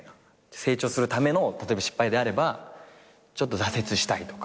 成長するための例えば失敗であればちょっと挫折したいとか。